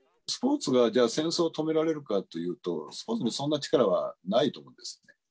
スポーツが、じゃあ、戦争を止められるかというと、スポーツにそんな力はないと思います。